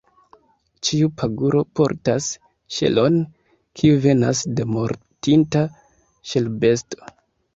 Ĉiu paguro portas ŝelon, kiu venas de mortinta ŝelbesto.